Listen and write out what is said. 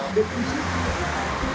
untuk kembali ke tengah kota